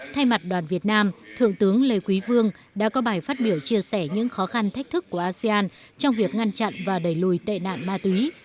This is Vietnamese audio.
thay mặt đoàn việt nam thượng tướng lê quý vương đã có bài phát biểu chia sẻ những khó khăn thách thức của asean trong việc ngăn chặn và đẩy lùi tệ nạn ma túy